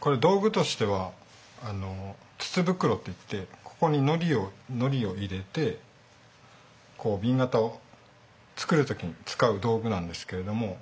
これ道具としては筒袋っていってここにのりを入れて紅型を作る時に使う道具なんですけれども。